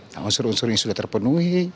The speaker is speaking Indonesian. nah unsur unsur yang sudah terpenuhi